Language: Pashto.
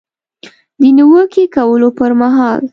د نیوکې کولو پر مهال